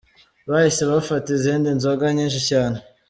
Bahise bafata izindi nzoga nyinshi cyane.